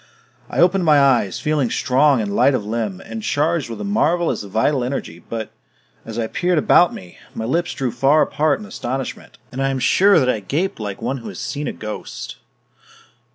I opened my eyes, feeling strong and light of limb and charged with a marvelous vital energy but, as I peered about me, my lips drew far apart in astonishment, and I am sure that I gaped like one who has seen a ghost.